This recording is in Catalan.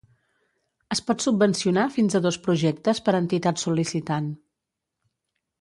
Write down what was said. Es pot subvencionar fins a dos projectes per entitat sol·licitant.